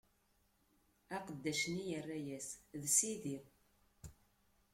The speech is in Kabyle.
Aqeddac-nni yerra-yas: D sidi!